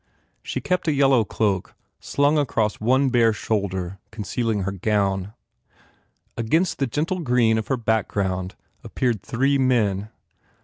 She kept a yellow cloak slung across one bare shoulder concealing her gown. Against the gentle green of her background ap peared three men.